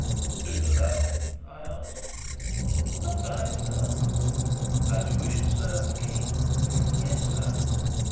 "Do you love him?" I asked. "Not I, sir." "And you wish to serve the King?" "Yes, sir."